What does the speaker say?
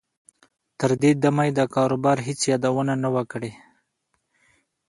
تر دې دمه یې د کاروبار هېڅ یادونه نه وه کړې